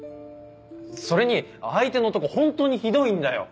それに相手の男ホントにひどいんだよ。